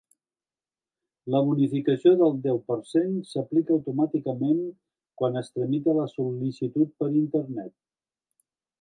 La bonificació del deu per cent s'aplica automàticament quan es tramita la sol·licitud per Internet.